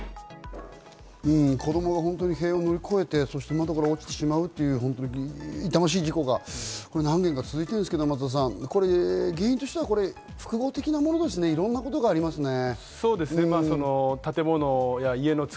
子供が本当に塀を乗り越えて窓から落ちてしまうという痛ましい事故が何件が続いているんですけれども、松田さん、原因としては複合的なものがありますね。